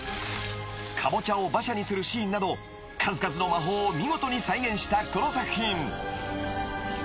［カボチャを馬車にするシーンなど数々の魔法を見事に再現したこの作品］